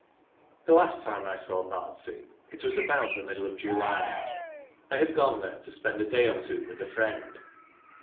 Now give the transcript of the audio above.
The last time I saw Bardsea it was about the middle of July. I had gone there to spend a day or two with a friend.